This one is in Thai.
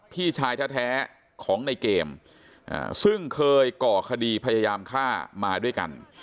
พี่ชายแท้ของในเกมซึ่งเคยก่อคดีพยายามฆ่ามาด้วยกัน